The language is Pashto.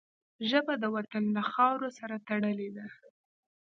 ژبه د وطن له خاورو سره تړلې ده